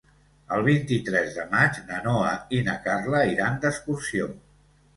El vint-i-tres de maig na Noa i na Carla iran d'excursió.